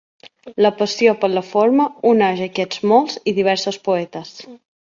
La passió per la forma uneix aquests molts i diversos poetes.